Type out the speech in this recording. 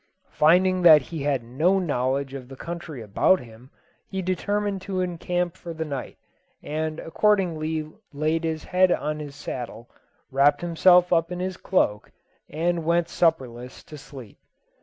Finding that he had no knowledge of the country about him, he determined to encamp for the night, and accordingly laid his head on his saddle, wrapped himself up in his cloak, and went supperless to sleep.